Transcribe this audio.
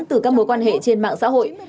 từ các mối quan hệ trên mạng xã hội